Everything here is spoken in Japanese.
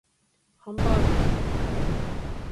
ハンバーグが食べたい